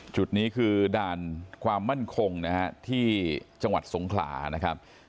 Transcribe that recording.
จุดนี้คือด่านความมั่นคงนะฮะที่จังหวัดสงขลานะครับ